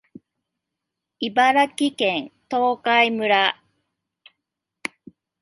茨城県東海村